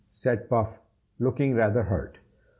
said Puff, looking rather hurt.